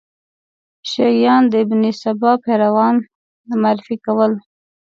شیعیان د ابن سبا پیروان معرفي کول.